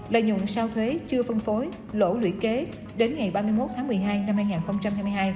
lợi nhuận sau thuế chưa phân phối lỗ lũy kế đến ngày ba mươi một tháng một mươi hai năm hai nghìn hai mươi hai